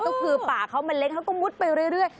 ก็คือป่าเขามันเล็กเขาก็มุดไปเรื่อย